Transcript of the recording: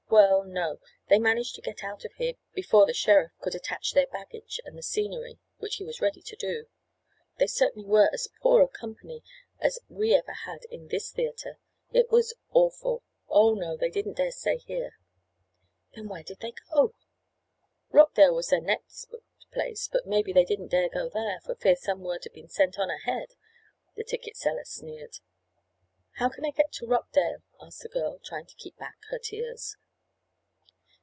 "Well, no. They managed to get out of here before the sheriff could attach their baggage and the scenery, which he was ready to do. They certainly were as poor a company as we ever had in this theatre. It was awful. Oh, no, they didn't dare stay here." "Then where did they go?" "Rockdale was their next booked place, but maybe they didn't dare go there, for fear some word had been sent on ahead," the ticket seller sneered. "How can I get to Rockdale?" asked the girl, trying to keep back her tears.